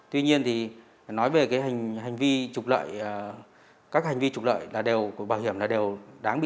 tuy nhiên thì nói về cái hành vi trục lợi các hành vi trục lợi của bảo hiểm là đều đáng bị